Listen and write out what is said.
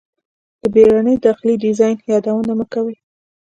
د بیړني داخلي ډیزاین یادونه مه کوئ